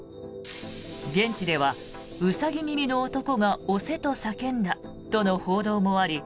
現地ではウサギ耳の男が押せと叫んだとの報道もあり